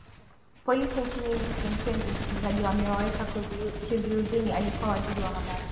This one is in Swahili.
polisi nchini misri mpenzi msikilizaji wamewaweka kizuizini alikuwa waziri wa habari